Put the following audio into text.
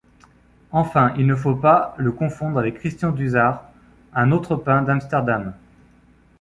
Enfin, il ne faut pas le confondre avec Christian Dusart, un autre peintre d'Amsterdam.